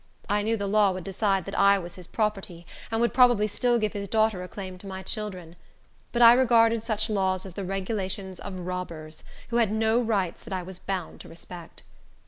I knew the law would decide that I was his property, and would probably still give his daughter a claim to my children; but I regarded such laws as the regulations of robbers, who had no rights that I was bound to respect.